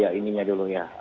ketua umumnya dulu ya